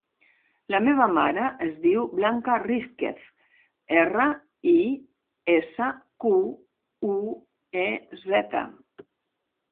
La meva mare es diu Blanca Risquez: erra, i, essa, cu, u, e, zeta.